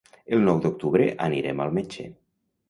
El nou d'octubre anirem al metge.